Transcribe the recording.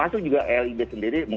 ini tentu juga menjadi evaluasi dari klub